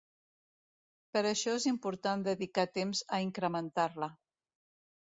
Per això és important dedicar temps a incrementar-la.